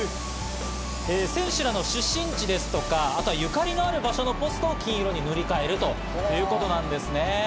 選手らの出身地ですとか、ゆかりのある場所のポストを金色に塗り替えるということなんですね。